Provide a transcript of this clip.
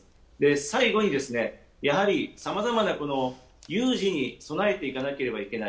最後に、さまざまな有事に備えていかなければいけない。